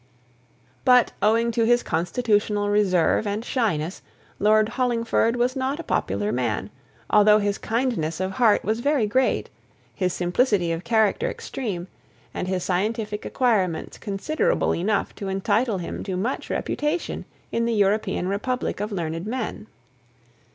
But, owing to his constitutional reserve and shyness, Lord Hollingford was not a popular man although his kindness of heart was very great, his simplicity of character extreme, and his scientific acquirements considerable enough to entitle him to much reputation in the European republic of learned men.